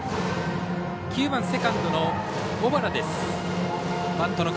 ９番セカンドの小原です。